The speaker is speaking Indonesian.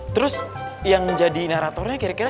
terus yang jadi naratornya kira kira